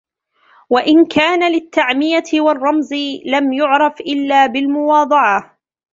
وَإِنْ كَانَ لِلتَّعْمِيَةِ وَالرَّمْزِ لَمْ يُعْرَفْ إلَّا بِالْمُوَاضَعَةِ